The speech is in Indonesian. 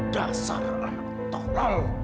dasar anak tol